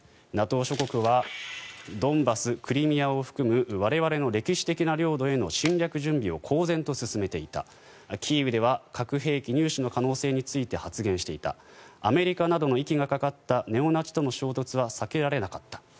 ＮＡＴＯ諸国はドンバス、クリミアを含む我々の歴史的な領土への侵略準備を公然と進めていたキーウでは核兵器入手の可能性について発言していたアメリカなどの息がかかったネオナチとの衝突は避けられなかった。